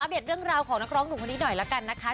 เดตเรื่องราวของนักร้องหนุ่มคนนี้หน่อยละกันนะคะ